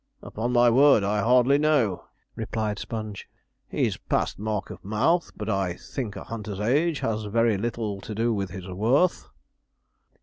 'Upon my word I hardly know,' replied Sponge, 'he's past mark of mouth; but I think a hunter's age has very little to do with his worth.'